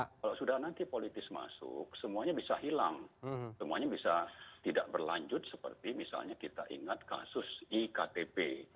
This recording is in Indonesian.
kalau sudah nanti politis masuk semuanya bisa hilang semuanya bisa tidak berlanjut seperti misalnya kita ingat kasus iktp